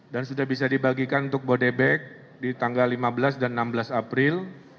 dan sudah bisa dibagikan untuk bodebek di tanggal lima belas dan enam belas april